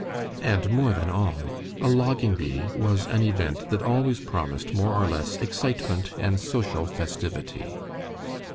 And more than all, a logging bee was an event that always promised more or less excitement and social festivity.